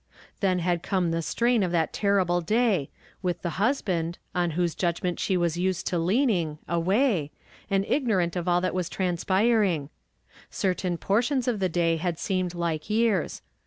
Then had come the strain of that tenibh' day, with the husband, on whose judgment she was used to leaning, away, and ignorant of all that was transpiring. Certain portions of the day had seemed like yeai s.